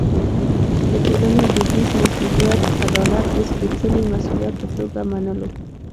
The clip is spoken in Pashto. د ټولنې دودیز مسوولیت عدالت د سپېڅلي مسوولیت په توګه منلو.